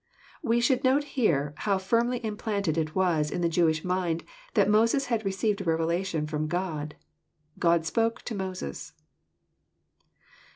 We should note here, how firmly implanted it was in the Jewish mind that Moses had received a revelation firom Gk)d. " God spoke to Moses."